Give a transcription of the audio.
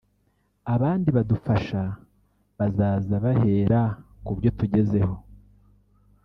abandi badufasha bazaza bahera ku byo tugezeho